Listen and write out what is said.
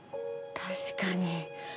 確かに。